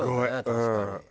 確かに。